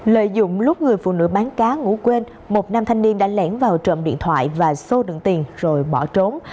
lợi dụng lúc người phụ nữ bán cá ngủ quên một nam thanh niên đã lẻn vào trộm điện thoại và xô đựng tiền rồi bỏ trốn